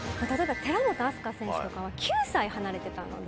寺本明日香選手とかは９歳離れてたので。